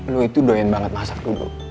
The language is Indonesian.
lu itu doyan banget masak dulu